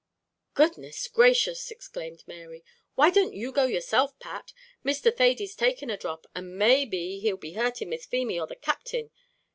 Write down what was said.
"Goodness gracious!" exclaimed Mary, "why don't you go yourself, Pat? Mr. Thady's taken a dhrop, and maybe he'll be hurting Miss Feemy or the Captain.